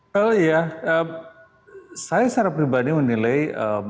saya secara pribadi menilai